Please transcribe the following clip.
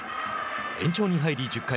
延長に入り１０回。